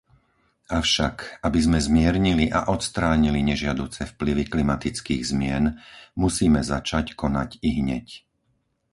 Avšak, aby sme zmiernili a odstránili nežiaduce vplyvy klimatických zmien, musíme začať konať ihneď.